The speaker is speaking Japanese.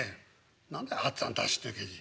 「何だい八っつぁん出し抜けに。